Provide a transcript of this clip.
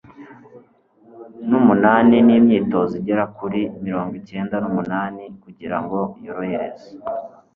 n'umunani n'imyitozo igera kuri mirongo kenda n'umunani. kugira ngo yorohereze